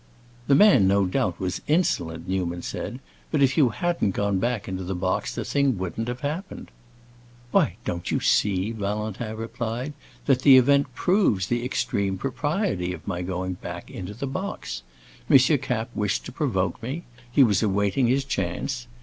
"The man, no doubt, was insolent," Newman said; "but if you hadn't gone back into the box the thing wouldn't have happened." "Why, don't you see," Valentin replied, "that the event proves the extreme propriety of my going back into the box? M. Kapp wished to provoke me; he was awaiting his chance.